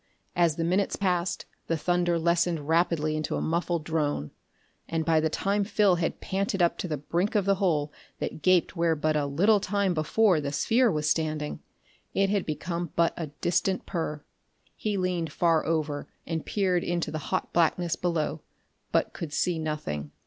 As the minutes passed, the thunder lessened rapidly into a muffled drone; and by the time Phil had panted up to the brink of the hole that gaped where but a little time before the sphere was standing, it had become but a distant purr. He leaned far over and peered into the hot blackness below, but could see nothing.